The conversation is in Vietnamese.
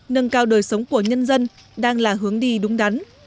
nâng cao đời sống của nhân dân đang là hướng đi đúng đắn